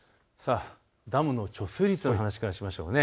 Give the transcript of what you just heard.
ダムの貯水率の話からしましょう。